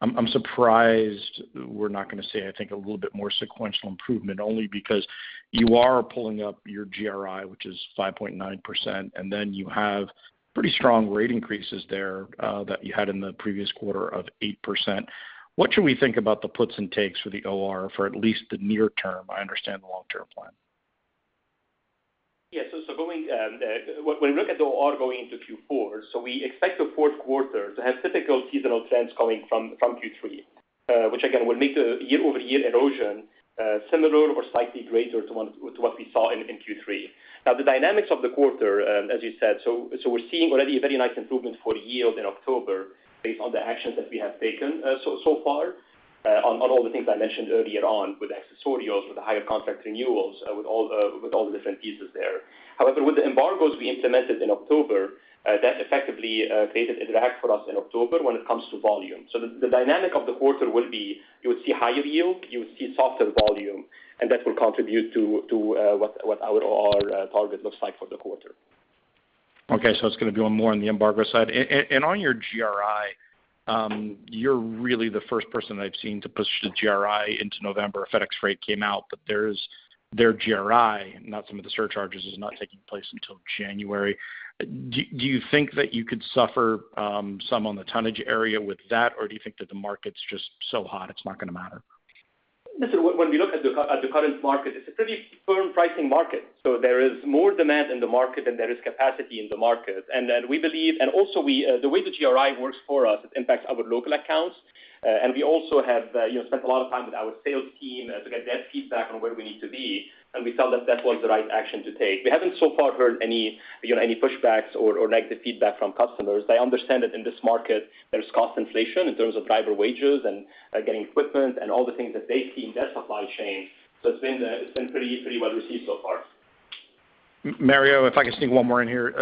I'm surprised we're not going to see, I think, a little bit more sequential improvement, only because you are pulling up your GRI, which is 5.9%, and then you have pretty strong rate increases there that you had in the previous quarter of 8%. What should we think about the puts and takes for the OR for at least the near term? I understand the long term plan. When we look at the OR going into Q4, we expect the fourth quarter to have typical seasonal trends coming from Q3, which again will make the year-over-year erosion similar or slightly greater to what we saw in Q3. Now, the dynamics of the quarter, as you said, we're seeing already a very nice improvement for yield in October based on the actions that we have taken so far on all the things I mentioned earlier on with accessorials, with the higher contract renewals, with all the different pieces there. However, with the embargoes we implemented in October, that effectively created a drag for us in October when it comes to volume. The dynamic of the quarter will be, you will see higher yield, you will see softer volume, and that will contribute to what our OR target looks like for the quarter. Okay, it's going to be more on the embargo side. On your GRI, you're really the first person I've seen to push the GRI into November. FedEx rate came out, but their GRI, not some of the surcharges, is not taking place until January. Do you think that you could suffer some on the tonnage area with that? Or do you think that the market's just so hot, it's not going to matter? Listen, when we look at the current market, it's a pretty firm pricing market. There is more demand in the market than there is capacity in the market. The way the GRI works for us, it impacts our local accounts. We also have, you know, spent a lot of time with our sales team to get their feedback on where we need to be, and we felt that was the right action to take. We haven't so far heard any pushbacks or negative feedback from customers. They understand that in this market there's cost inflation in terms of driver wages and getting equipment and all the things that they see in their supply chain. It's been pretty well received so far. Mario, if I could sneak one more in here.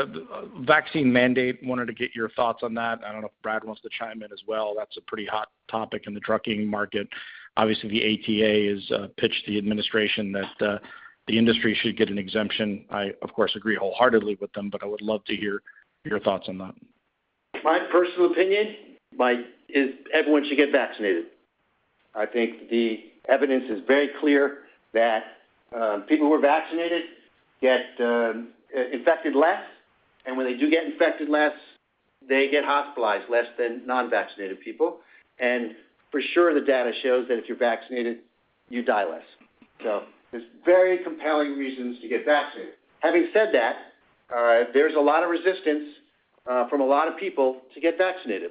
Vaccine mandate, wanted to get your thoughts on that. I don't know if Brad wants to chime in as well. That's a pretty hot topic in the trucking market. Obviously, the ATA has pitched the administration that the industry should get an exemption. I, of course, agree wholeheartedly with them, but I would love to hear your thoughts on that. My personal opinion is everyone should get vaccinated. I think the evidence is very clear that people who are vaccinated get infected less, and when they do get infected less, they get hospitalized less than non-vaccinated people. For sure, the data shows that if you're vaccinated, you die less. There's very compelling reasons to get vaccinated. Having said that, there's a lot of resistance from a lot of people to get vaccinated.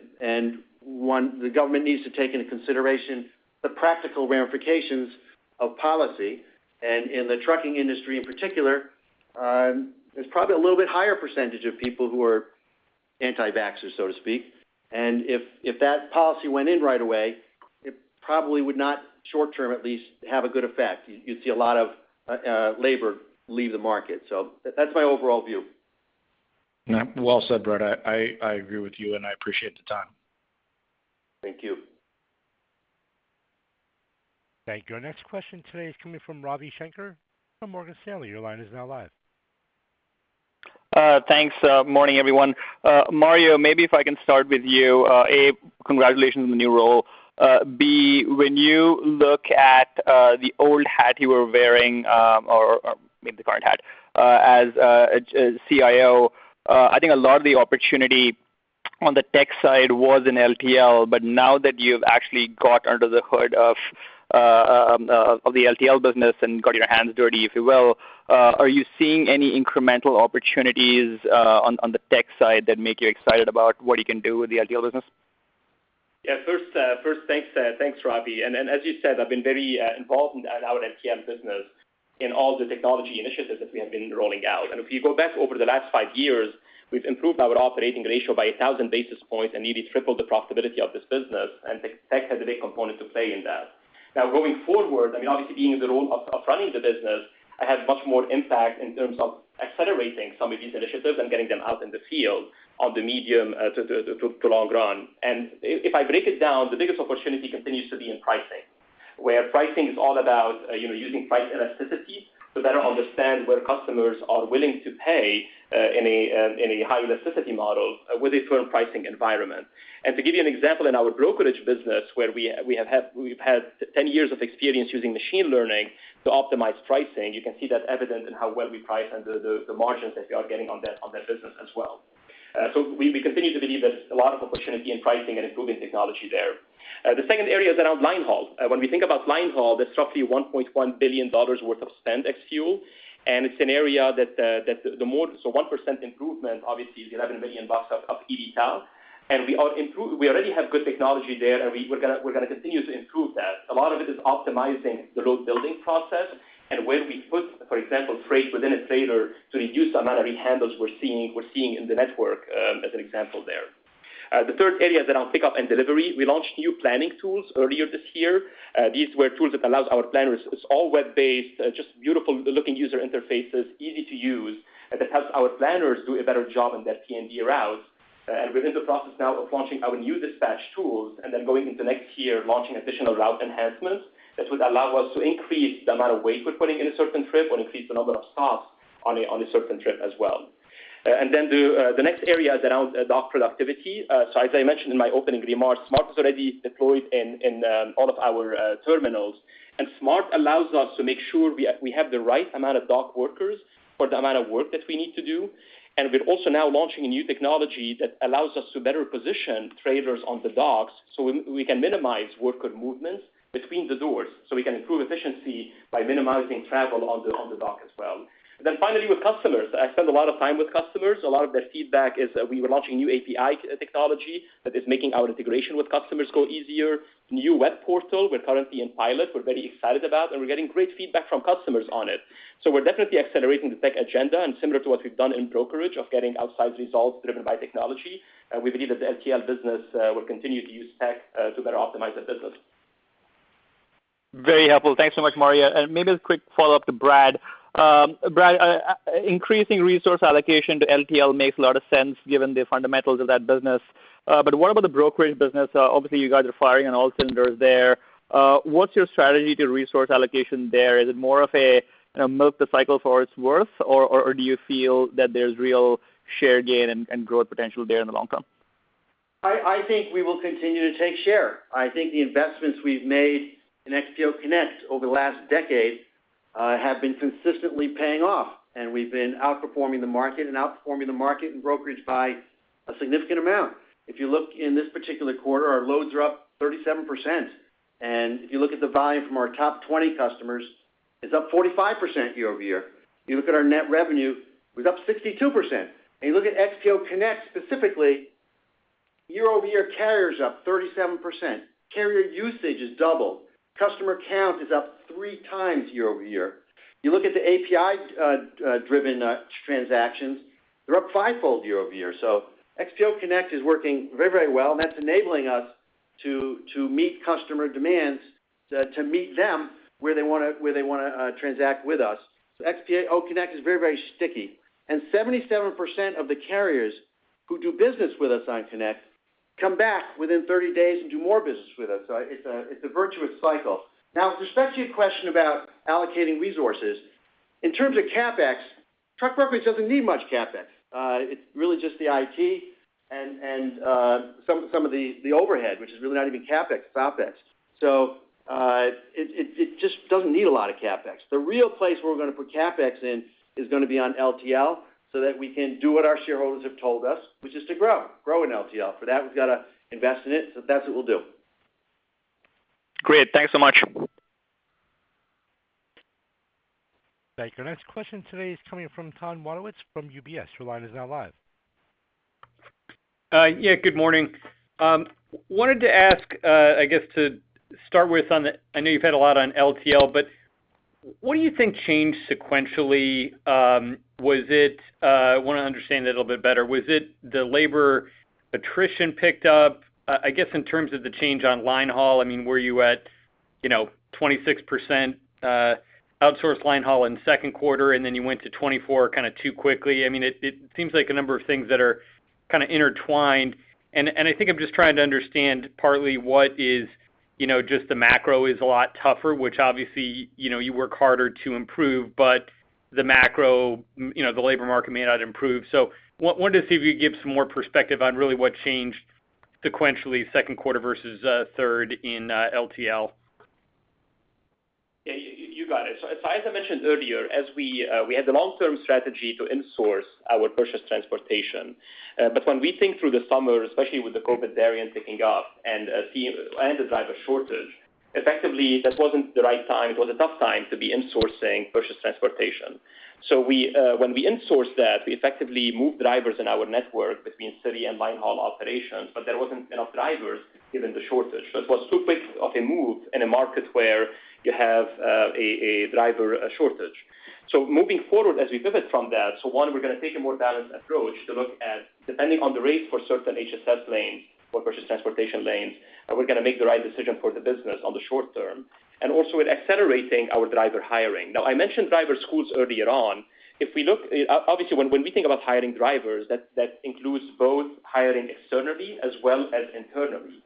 One, the government needs to take into consideration the practical ramifications of policy. In the trucking industry in particular, there's probably a little bit higher percentage of people who are anti-vaxxers, so to speak. If that policy went in right away, it probably would not short-term, at least, have a good effect. You'd see a lot of labor leave the market. That's my overall view. Well said, Brad. I agree with you, and I apprecate the time. Thank you. Thank you. Our next question today is coming from Ravi Shanker from Morgan Stanley. Your line is now live. Thanks. Morning, everyone. Mario, maybe if I can start with you. A, congratulations on the new role. B, when you look at the old hat you were wearing, or maybe the current hat, as CIO, I think a lot of the opportunity on the tech side was in LTL, but now that you've actually got under the hood of the LTL business and got your hands dirty, if you will, are you seeing any incremental opportunities on the tech side that make you excited about what you can do with the LTL business? Yeah. First, thanks, Ravi. As you said, I've been very involved in our LTL business in all the technology initiatives that we have been rolling out. If you go back over the last five years, we've improved our operating ratio by a thousand basis points and nearly tripled the profitability of this business. Tech had a big component to play in that. Now going forward, I mean, obviously being in the role of running the business, I have much more impact in terms of accelerating some of these initiatives and getting them out in the field on the medium to long run. If I break it down, the biggest opportunity continues to be in pricing, where pricing is all about using price elasticity to better understand where customers are willing to pay in a high elasticity model with a firm pricing environment. To give you an example, in our brokerage business, where we've had 10 years of experience using machine learning to optimize pricing, you can see that evident in how well we price under the margins that we are getting on that business as well. We continue to believe there's a lot of opportunity in pricing and improving technology there. The second area is around line haul. When we think about line haul, that's roughly $1.1 billion worth of spend ex fuel. It's an area that 1% improvement obviously is $11 million of EBITDA. We already have good technology there, and we're gonna continue to improve that. A lot of it is optimizing the load building process, and where we put, for example, freight within a trailer to reduce the amount of rehandles we're seeing in the network, as an example there. The third area is around pickup and delivery. We launched new planning tools earlier this year. These were tools that allow our planners. It's all web-based, just beautiful looking user interfaces, easy to use, and that helps our planners do a better job in their P&D routes. We're in the process now of launching our new dispatch tools, and then going into next year, launching additional route enhancements that would allow us to increase the amount of weight we're putting in a certain trip or increase the number of stops on a certain trip as well. The next area is around dock productivity. As I mentioned in my opening remarks, SMART is already deployed in all of our terminals. SMART allows us to make sure we have the right amount of dock workers for the amount of work that we need to do. We're also now launching a new technology that allows us to better position trailers on the docks, so we can minimize worker movements between the doors, so we can improve efficiency by minimizing travel on the dock as well. Finally, with customers, I spend a lot of time with customers. A lot of their feedback is, we were launching new API technology that is making our integration with customers go easier. New web portal we're currently in pilot. We're very excited about it, and we're getting great feedback from customers on it. We're definitely accelerating the tech agenda, and similar to what we've done in brokerage of getting outsized results driven by technology, we believe that the LTL business will continue to use tech to better optimize the business. Very helpful. Thanks so much, Mario. Maybe a quick follow-up to Brad. Brad, increasing resource allocation to LTL makes a lot of sense given the fundamentals of that business. But what about the brokerage business? Obviously you guys are firing on all cylinders there. What's your strategy to resource allocation there? Is it more of a, you know, milk the cycle for its worth, or do you feel that there's real share gain and growth potential there in the long term? I think we will continue to take share. I think the investments we've made in XPO Connect over the last decade have been consistently paying off, and we've been outperforming the market and outperforming the market in brokerage by a significant amount. If you look in this particular quarter, our loads are up 37%. If you look at the volume from our top 20 customers, it's up 45% year-over-year. You look at our net revenue, it was up 62%. If you look at XPO Connect specifically, year-over-year carriers up 37%. Carrier usage is double. Customer count is up 3 times year-over-year. You look at the API driven transactions, they're up fivefold year-over-year. XPO Connect is working very, very well, and that's enabling us to meet customer demands, to meet them where they wanna transact with us. XPO Connect is very, very sticky. 77% of the carriers who do business with us on Connect come back within 30 days and do more business with us. It's a virtuous cycle. Now with respect to your question about allocating resources, in terms of CapEx, truck brokerage doesn't need much CapEx. It's really just the IT and some of the overhead, which is really not even CapEx, it's OpEx. It just doesn't need a lot of CapEx. The real place where we're gonna put CapEx in is gonna be on LTL so that we can do what our shareholders have told us, which is to grow in LTL. For that, we've got to invest in it, so that's what we'll do. Great. Thanks so much. Thank you. Our next question today is coming from Tom Wadewitz from UBS. Your line is now live. Yeah, good morning. Wanted to ask, I guess to start with on the LTL. I know you've had a lot on LTL, but what do you think changed sequentially? I want to understand it a little bit better. Was it the labor attrition picked up? I guess in terms of the change on line haul, I mean, were you at, you know, 26% outsourced line haul in second quarter, and then you went to 24 kind of too quickly? I mean, it seems like a number of things that are kind of intertwined. I think I'm just trying to understand partly what is, you know, just the macro is a lot tougher, which obviously, you know, you work harder to improve, but the macro, you know, the labor market may not improve. Wanted to see if you could give some more perspective on really what changed sequentially second quarter versus third in LTL. Yeah, you got it. As I mentioned earlier, we had the long-term strategy to insource our purchase transportation. When we think through the summer, especially with the COVID variant picking up and the driver shortage, effectively, that wasn't the right time. It was a tough time to be insourcing purchase transportation. When we insourced that, we effectively moved drivers in our network between city and line haul operations, but there wasn't enough drivers given the shortage. It was too quick of a move in a market where you have a driver shortage. Moving forward as we pivot from that, one, we're gonna take a more balanced approach to look at depending on the rate for certain HSS lanes or purchase transportation lanes, and we're gonna make the right decision for the business on the short term, and also with accelerating our driver hiring. Now I mentioned driver schools earlier on. If we look, obviously, when we think about hiring drivers, that includes both hiring externally as well as internally.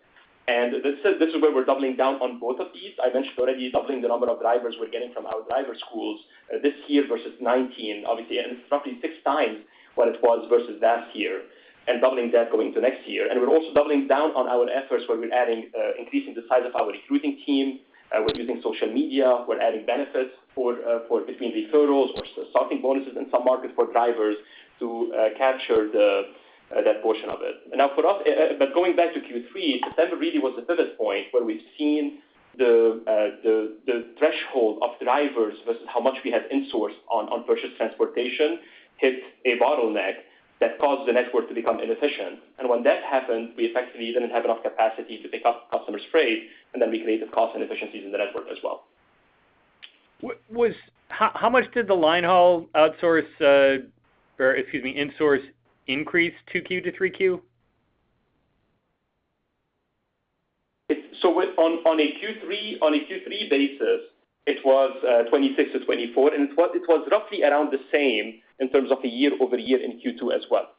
This is where we're doubling down on both of these. I mentioned already doubling the number of drivers we're getting from our driver schools this year versus 2019, obviously, and roughly six times what it was versus last year and doubling that going to next year. We're also doubling down on our efforts where we're adding, increasing the size of our recruiting team, we're using social media, we're adding benefits for between referrals versus signing bonuses in some markets for drivers to, capture the, that portion of it. Now for us, but going back to Q3, September really was the pivot point where we've seen the threshold of drivers versus how much we had insourced on purchased transportation hit a bottleneck that caused the network to become inefficient. When that happened, we effectively didn't have enough capacity to pick up customers' freight, and then we created cost inefficiencies in the network as well. How much did the linehaul outsource, or excuse me, insource increase 2Q to 3Q? On a Q3 basis, it was 26-24, and it was roughly around the same in terms of year-over-year in Q2 as well.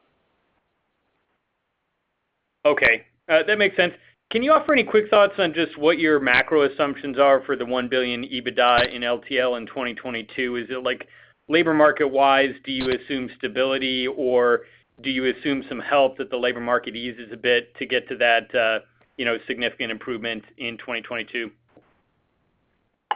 Okay. That makes sense. Can you offer any quick thoughts on just what your macro assumptions are for the $1 billion EBITDA in LTL in 2022? Is it like labor market wise, do you assume stability or do you assume some help that the labor market eases a bit to get to that significant improvement in 2022? Hey,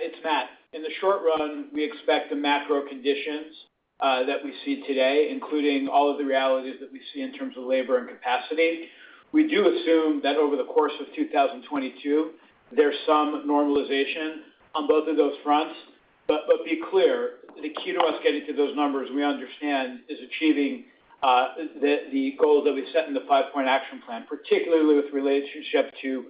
it's Matt. In the short run, we expect the macro conditions that we see today, including all of the realities that we see in terms of labor and capacity. We do assume that over the course of 2022, there's some normalization on both of those fronts. Be clear, the key to us getting to those numbers, we understand, is achieving the goals that we've set in the five-point action plan, particularly with relationship to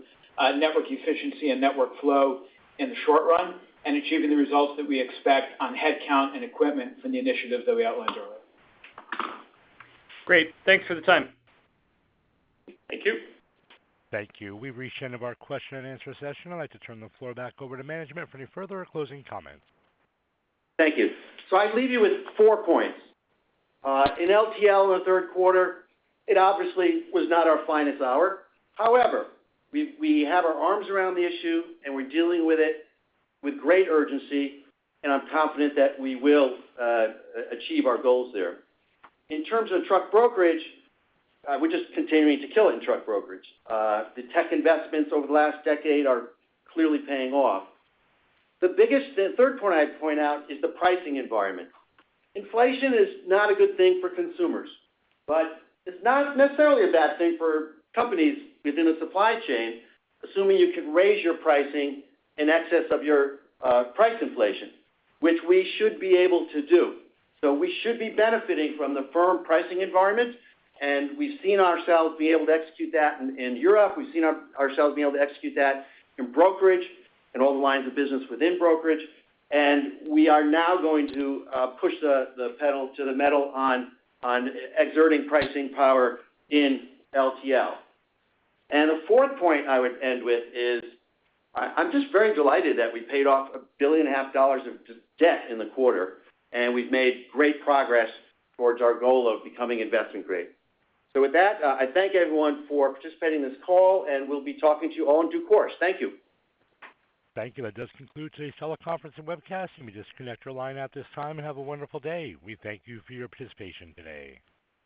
network efficiency and network flow in the short run, and achieving the results that we expect on headcount and equipment from the initiatives that we outlined earlier. Great. Thanks for the time. Thank you. Thank you. We've reached the end of our question and answer session. I'd like to turn the floor back over to management for any further closing comments. Thank you. I leave you with four points. In LTL in the third quarter, it obviously was not our finest hour. However, we have our arms around the issue, and we're dealing with it with great urgency, and I'm confident that we will achieve our goals there. In terms of truck brokerage, we're just continuing to kill it in truck brokerage. The tech investments over the last decade are clearly paying off. The biggest, the third point I'd point out is the pricing environment. Inflation is not a good thing for consumers, but it's not necessarily a bad thing for companies within a supply chain, assuming you can raise your pricing in excess of your price inflation, which we should be able to do. We should be benefiting from the firm pricing environment, and we've seen ourselves be able to execute that in Europe. We've seen ourselves being able to execute that in brokerage and all the lines of business within brokerage. We are now going to push the pedal to the metal on exerting pricing power in LTL. The fourth point I would end with is I'm just very delighted that we paid off $1.5 billion of debt in the quarter, and we've made great progress towards our goal of becoming investment grade. With that, I thank everyone for participating in this call, and we'll be talking to you all in due course. Thank you. Thank you. That does conclude today's teleconference and webcast. You may disconnect your line at this time, and have a wonderful day. We thank you for your participation today.